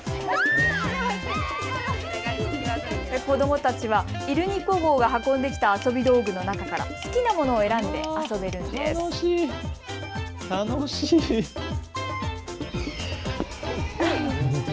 子どもたちは、いるニコＧＯが運んできた遊び道具の中から好きなものを選んで遊べるんです。